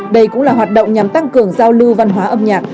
đây cũng là hoạt động nhằm tăng cường giao lưu văn hóa âm nhạc